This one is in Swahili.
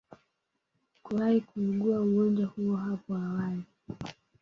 kuwahi kuugua ugonjwa huo hapo awali